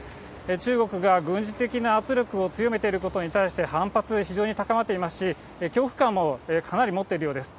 中国が軍事的な圧力を強めていることに対して反発は非常に高まっていますし、恐怖感もかなり持っているようです。